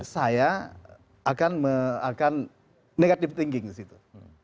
saya akan negative thinking disitu